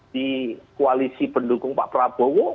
di koalisi pendukung pak prabowo